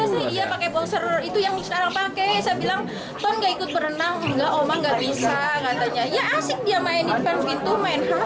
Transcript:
pakai bolser itu yang sekarang pakai saya bilang